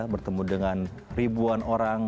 bertemu dengan ribuan orang